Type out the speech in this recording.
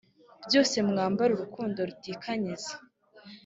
byose mwambare urukundo rutikanyiza